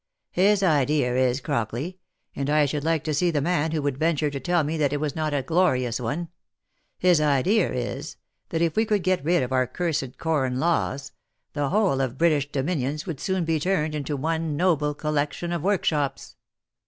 His idea is, Crockley, — and I should like to see the man who would venture to tell me that it was not a glorious one, — his idea is, that if we could get rid of our cursed Corn laws, the whole of the British dominions would soon be turned into one noble collection of workshops.